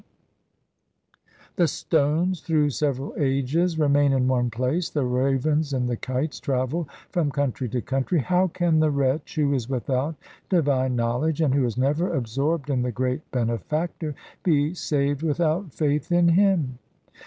SIKH. V T 274 THE SIKH RELIGION The stones through several ages remain in one place ; the ravens and the kites travel from country to country. How can the wretch who is without divine knowledge and who is never absorbed in the great Benefactor, be saved without faith in Him